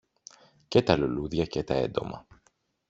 και τα λουλούδια και τα έντομα.